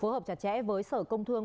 hợp chặt chẽ với sở công thương